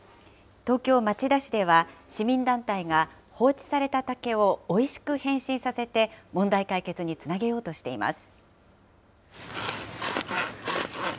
東京・町田市では、市民団体が放置された竹をおいしく変身させて、問題解決につなげようとしています。